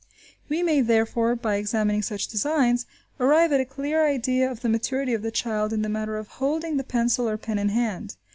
We may, therefore, by examining such designs, arrive at a clear idea of the maturity of the child in the matter of holding the pencil or pen in hand.